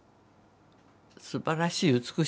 すばらしい美しいの。